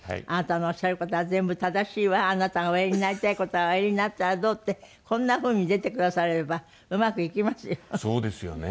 あなたのおっしゃる事は全部正しいわあなたがおやりになりたい事はおやりになったらどうってこんなふうに出てくださればうまくいきますよ。